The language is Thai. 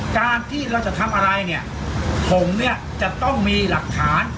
การที่เราจะทำอะไรเนี่ยผมเนี่ยจะต้องมีหลักฐาน